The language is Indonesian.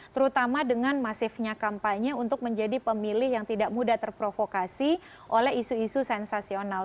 terutama dengan masifnya kampanye untuk menjadi pemilih yang tidak mudah terprovokasi oleh isu isu sensasional